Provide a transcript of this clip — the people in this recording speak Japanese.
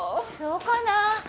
そうかな？